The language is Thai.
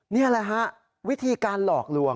นี่แหละฮะวิธีการหลอกลวง